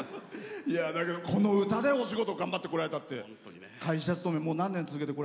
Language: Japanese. この歌でお仕事頑張ってこられたって。